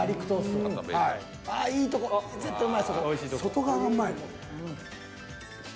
外側がうまいの。